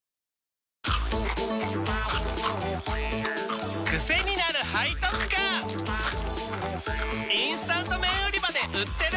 チキンかじり虫インスタント麺売り場で売ってる！